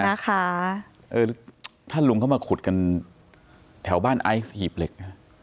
นะคะเออถ้าลุงเข้ามาขุดกันแถวบ้านไอซ์หีบเหล็ก